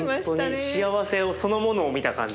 本当に幸せをそのものを見た感じ。